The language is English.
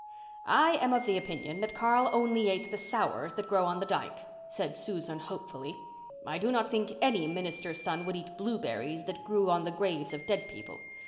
"I am of the opinion that Carl only ate the sours that grow on the dyke," said Susan hopefully. "I do not think any minister's son would eat blueberries that grew on the graves of dead people.